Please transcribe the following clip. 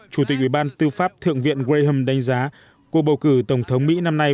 chủ tịch ủy ban tư pháp thượng viện graham đánh giá cuộc bầu cử tổng thống mỹ năm nay